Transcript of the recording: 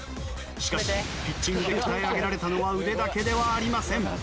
しかしピッチングで鍛え上げられたのは腕だけではありません